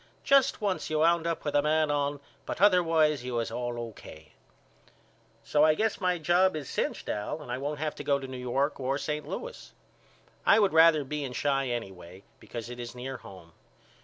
Just once you wound up with a man on but otherwise you was all O.K. So I guess my job is cinched Al and I won't have to go to New York or St. Louis. I would rather be in Chi anyway because it is near home.